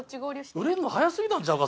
売れるの早すぎたんちゃうか？